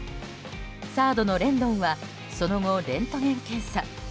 サードのレンドンはその後、レントゲン検査。